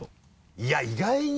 いや意外に。